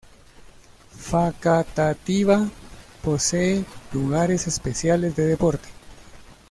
Facatativá posee lugares especiales de deporte.